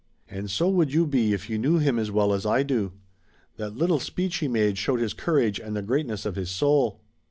"And so would you be if you knew him as well as I do. That little speech he made showed his courage and the greatness of his soul."